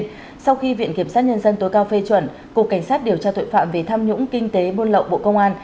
theo quy định của pháp luật hiện cục cảnh sát điều tra tội phạm về tham nhũng kinh tế buôn lậu bộ công an